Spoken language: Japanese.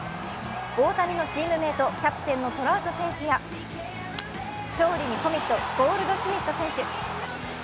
大谷のチームメイトキャプテンのトラウト選手や勝利にコミット、ゴールドシュミット選手。